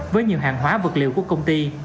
với nhiều hàng hóa vật liệu của công ty